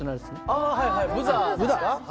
ああはいはいブザーですか。